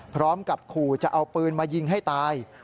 พร้อมกับขู่จะเอาปืนมายิงให้ตาย